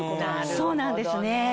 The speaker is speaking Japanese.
そうなんですね。